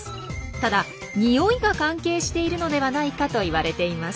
ただ匂いが関係しているのではないかと言われています。